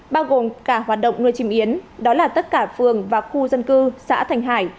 bao gồm cả hoạt động nuôi chim yến đó là tất cả phường và khu dân cư xã thành hải